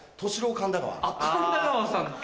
神田川さんの。